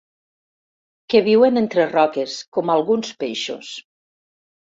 Que viuen entre roques, com alguns peixos.